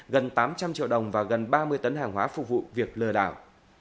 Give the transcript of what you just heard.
gần tám trăm linh triệu đồng và gần ba mươi tấn hàng hóa phục vụ việc lừa đảo